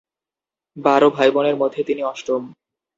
বারো ভাইবোনের মধ্যে তিনি অষ্টম।